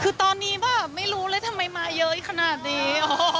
คือตอนนี้ป่ะไม่รู้เลยทำไมมาเยอะขนาดนี้